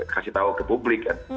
kasih tahu ke publik kan